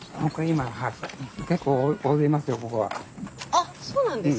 あっそうなんですね。